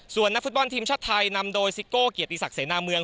ส่วนนักฟุตบอลทีมชาติไทยนำโดยซิโก้เกียรติศักดิเสนาเมือง